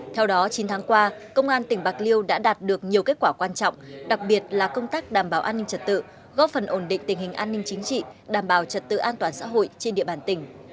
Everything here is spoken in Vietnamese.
theo đó chín tháng qua công an tỉnh bạc liêu đã đạt được nhiều kết quả quan trọng đặc biệt là công tác đảm bảo an ninh trật tự góp phần ổn định tình hình an ninh chính trị đảm bảo trật tự an toàn xã hội trên địa bàn tỉnh